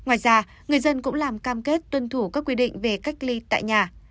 ngoài ra người dân cũng làm cam kết tuân thủ các quy định về cách ly tại nhà